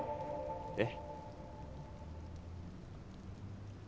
えっ？